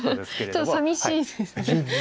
ちょっとさみしいですね。